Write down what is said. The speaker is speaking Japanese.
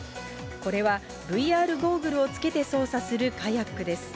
これはＶＲゴーグルをつけて操作するカヤックです。